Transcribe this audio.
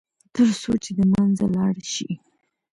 تر څو چې د منځه لاړ شي.